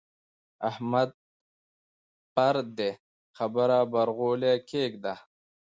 احمده پر دې خبره برغولی کېږده.